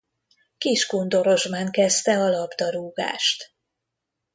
Kiskundorozsmán kezdte a labdarúgást.